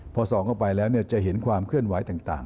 พอส่องเข้าไปแล้วจะเห็นความเคลื่อนไหวต่าง